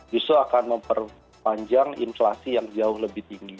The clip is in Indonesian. justru akan memperpanjang inflasi yang jauh lebih tinggi